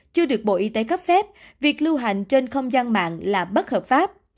chưa được bộ y tế cấp phép việc lưu hành trên không gian mạng là bất hợp pháp